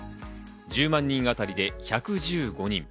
１０万人あたりで１１５人。